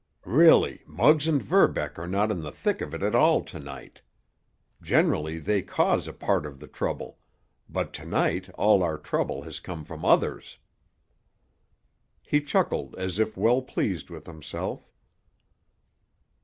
"Really, Muggs and Verbeck are not in the thick of it at all to night. Generally they cause a part of the trouble, but to night all our trouble has come from others." He chuckled as if well pleased with himself.